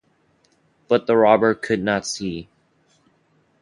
But the robber he could not see.